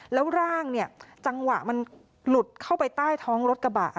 แล้วร่างเนี่ยจังหวะมันหลุดเข้าไปใต้ท้องรถกระบะ